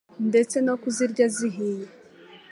ndetse no kuzirya zihiye,